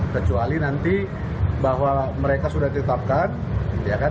kecuali nanti bahwa mereka sudah ditetapkan